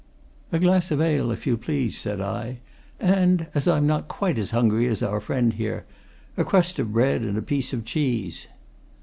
"A glass of ale if you please," said I. "And as I'm not quite as hungry as our friend here, a crust of bread and a piece of cheese."